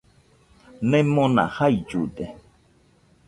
Nemona jaillude.